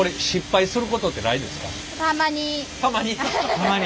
たまに？